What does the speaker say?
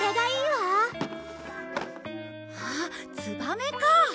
わあツバメかあ。